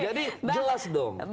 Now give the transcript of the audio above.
jadi jelas dong